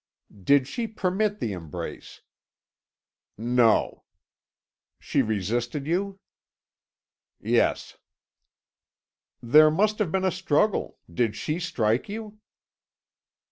"Did she permit the embrace?" "No." "She resisted you?" "Yes." "There must have been a struggle. Did she strike you?"